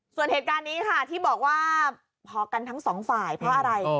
ส่วนเหตุการณ์นี้ค่ะที่บอกว่าพอกันทั้งสองฝ่ายเพราะอะไร